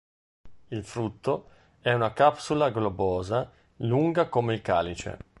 Il frutto è una capsula globosa lunga come il calice.